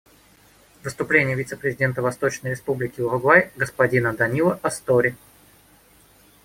Выступление вице-президента Восточной Республики Уругвай господина Данило Астори.